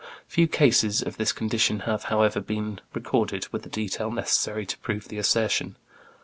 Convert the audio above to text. Few cases of this condition have, however, been recorded with the detail necessary to prove the assertion.